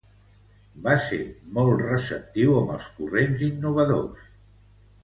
Va ser molt receptiu amb els corrents innovadors.